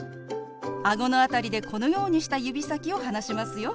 あごの辺りでこのようにした指先を離しますよ。